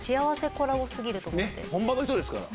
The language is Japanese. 本場の人ですから。